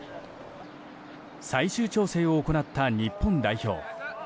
最終調整を行った日本代表。